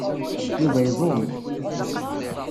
Yuba iẓum.